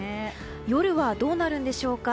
夜はどうなるんでしょうか。